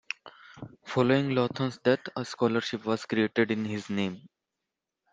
Following Lawton's death, a scholarship was created in his name.